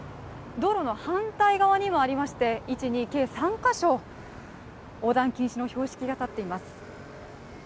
道路の反対側にもありまして、計３か所横断禁止の標識が立っています。